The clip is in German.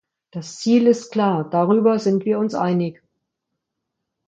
Das Ziel ist klar, darüber sind wir uns einig.